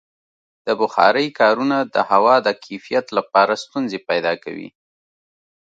د بخارۍ کارونه د هوا د کیفیت لپاره ستونزې پیدا کوي.